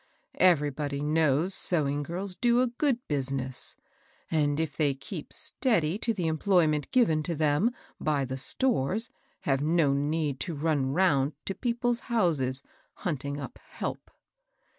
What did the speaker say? Everybody knows sewing girls do a good business, and, if they keep steady to the employment given to them by the stores, have no need to run round to people's houses hunting up help."